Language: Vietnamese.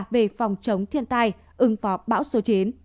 về phòng chống thiên tai ứng phó bão số chín